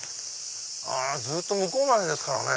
ずっと向こうまでですからね。